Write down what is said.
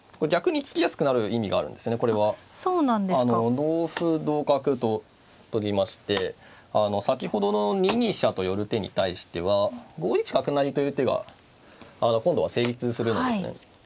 同歩同角と取りまして先ほどの２二飛車と寄る手に対しては５一角成という手が今度は成立するのですね。